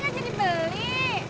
gak jadi beli